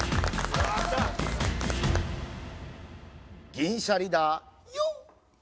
銀シャリだよ！